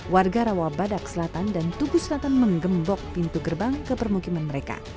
warga rawa badak selatan dan tubuh selatan menggembok pintu gerbang ke permukiman mereka